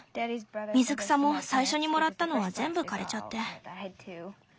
水草も最初にもらったのは全部枯れちゃって。